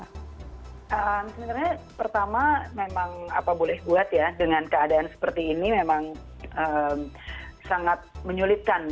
sebenarnya pertama memang apa boleh buat ya dengan keadaan seperti ini memang sangat menyulitkan